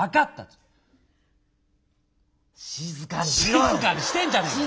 静かにしてんじゃねえか！